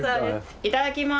いただきます。